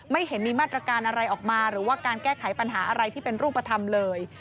เห็นมีมาตรการอะไรออกมาหรือว่าการแก้ไขปัญหาอะไรที่เป็นรูปธรรมเลย